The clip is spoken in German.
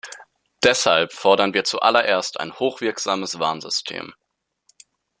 Deshalb fordern wir zuallererst ein hochwirksames Warnsystem.